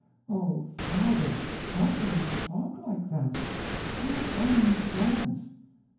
"Oh, father, how can you talk like that? Who owns France?"